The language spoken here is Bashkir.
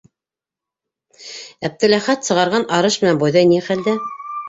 - Әптеләхәт сығарған арыш менән бойҙай ни хәлдә?